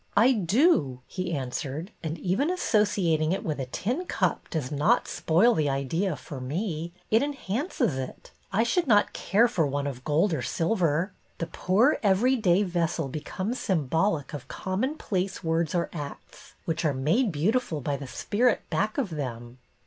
" I do," he answered, " and even associating it with a ' tin cup ' does not spoil the idea for me. It enhances it. I should not care for one of gold or silver. The poor everyday. return of the mariner 219 vessel becomes symbolic of commonplace words or acts, which are made beautiful by the spirit back of them."